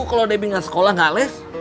kalo debbie gak sekolah gak les